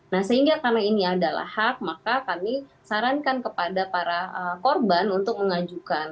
nah sehingga karena ini adalah hak maka kami sarankan kepada para korban untuk mengajukan